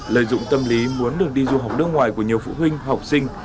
lợi dụng tâm lý muốn được đi du học nước ngoài của nhiều phụ huynh học sinh